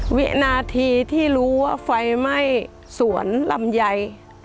วินาทีที่รู้ว่าไฟไหม้สวนลำไย